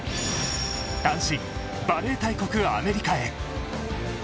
単身バレー大国、アメリカへ。